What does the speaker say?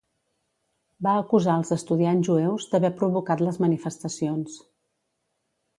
Va acusar els estudiants jueus d'haver provocat les manifestacions.